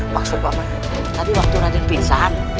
maksud paman tadi waktu raden pingsan